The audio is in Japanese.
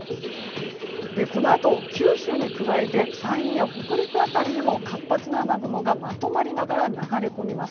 このあと九州に加えて山陰や北陸辺りにも活発な雨雲がまとまりながら流れ込みます。